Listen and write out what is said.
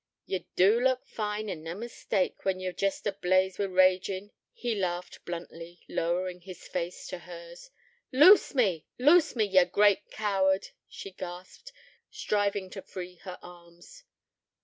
'Ye do look fine, an' na mistake, when ye're jest ablaze wi' ragin',' he laughed bluntly, lowering his face to hers. 'Loose me, loose me, ye great coward,' she gasped, striving to free her arms.